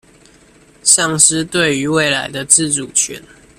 喪失對於未來的自主權